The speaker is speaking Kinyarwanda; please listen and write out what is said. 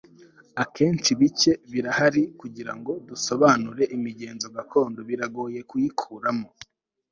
Akenshi bike birahari kugirango dusobanure imigenzo gakondo biragoye kuyikuramo